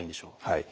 はい。